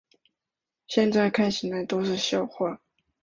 现在看起来都是笑话